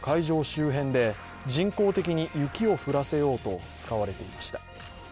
周辺で人工的に雪を降らせようと使われていました。